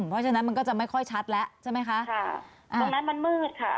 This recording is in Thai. เพราะฉะนั้นมันก็จะไม่ค่อยชัดแล้วใช่ไหมคะค่ะตรงนั้นมันมืดค่ะ